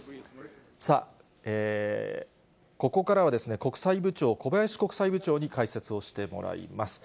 さあ、ここからは、国際部長、小林国際部長に解説をしてもらいます。